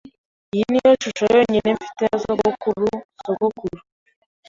Iyi niyo shusho yonyine mfite ya sogokuru-sogokuru.